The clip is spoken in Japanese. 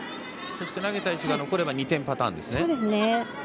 投げた石が残れば２点パターンですね。